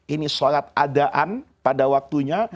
ini sholat adaan pada waktunya